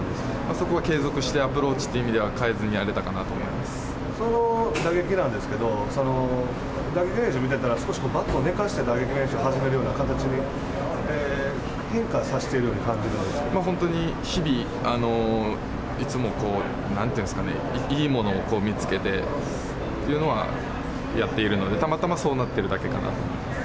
そこは継続してアプローチって意味では、その打撃なんですけど、打撃見てたら、バットを寝かせて打撃練習を始めるような形に変化させてるように本当に日々、いつもなんていうんですかね、いいものを見つけてっていうのはやっているので、たまたまそうなってるだけかなと。